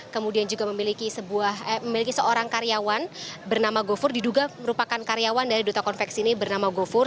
kemudian juga memiliki seorang karyawan bernama gofur diduga merupakan karyawan dari duta konveksi ini bernama gofur